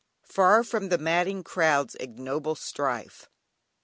"Far from the madding crowd's ignoble strife."